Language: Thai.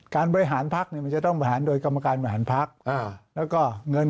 การบริหารพักเนี่ยมันจะต้องบริหารโดยกรรมการบริหารพักแล้วก็เงิน